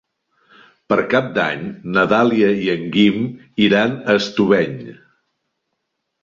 Per Cap d'Any na Dàlia i en Guim iran a Estubeny.